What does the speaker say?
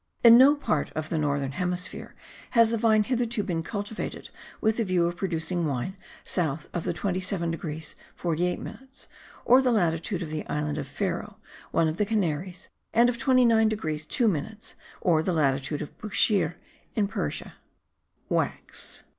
In no part of the northern hemisphere has the vine hitherto been cultivated with the view of producing wine south of the 27 degrees 48 minutes, or the latitude of the island of Ferro, one of the Canaries, and of 29 degrees 2 minutes, or the latitude of Bushire in Persia. WAX.